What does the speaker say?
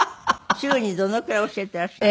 週にどのくらい教えてらっしゃる？